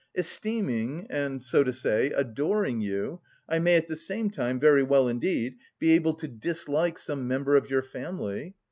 "Esteeming, and so to say, adoring you, I may at the same time, very well indeed, be able to dislike some member of your family.